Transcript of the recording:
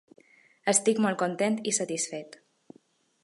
Estic molt content i satisfet.